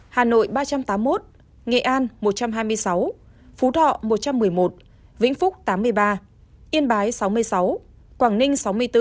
hà nội ba trăm tám mươi một nghệ an một trăm hai mươi sáu phú thọ một trăm một mươi một vĩnh phúc tám mươi ba yên bái sáu mươi sáu quảng ninh sáu mươi bốn